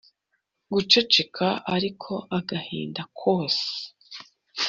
guceceka ariko agahinda ko